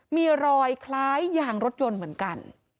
มีรอยคล้ายยางรถยนต์เหมือนกัน